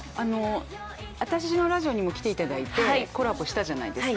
私のラジオにも来ていただいてコラボしたじゃないですか。